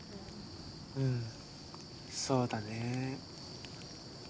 うんそうだね